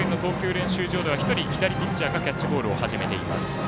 練習場では１人、左ピッチャーがキャッチボールを始めています。